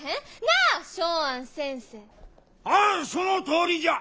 ああそのとおりじゃ！